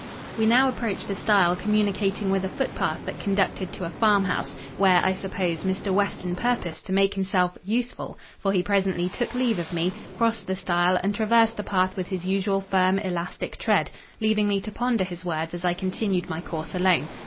We now approached a stile communicating with a footpath that conducted to a farm house, where, I suppose, Mr. Weston purposed to make himself "useful;" for he presently took leave of me, crossed the stile, and traversed the path with his usual firm, elastic tread, leaving me to ponder his words as I continued my course alone.